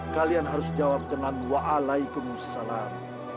kalian harus jawab dengan waalaikumsalam